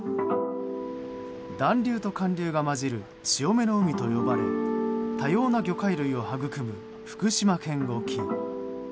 暖流と寒流が混じる潮目の海と呼ばれ多様な魚介類をはぐくむ福島県沖。